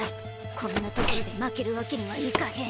こんなところで負けるわけにはいかへん。